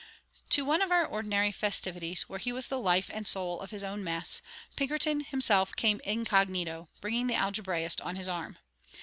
To one of our ordinary festivities, where he was the life and soul of his own mess, Pinkerton himself came incognito, bringing the algebraist on his arm.